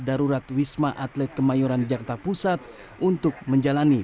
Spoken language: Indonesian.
dari swab yang dilakukan sepanjang hari ini